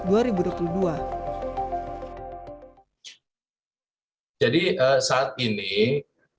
di awal bulan awal ini komisi yang diharapkan adalah